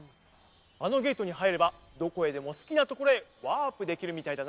あのゲートにはいればどこへでもすきなところへワープできるみたいだな。